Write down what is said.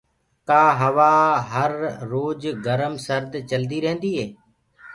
ڪآ هوآ هر روج گرم سرد چلدي ريهنٚدي هي